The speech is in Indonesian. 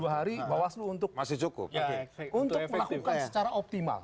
dua puluh dua hari bawaslu untuk melakukan secara optimal